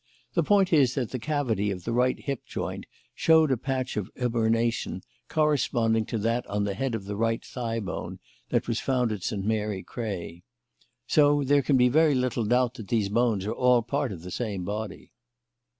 The point is that the cavity of the right hip joint showed a patch of eburnation corresponding to that on the head of the right thigh bone that was found at St. Mary Cray. So there can be very little doubt that these bones are all part of the same body."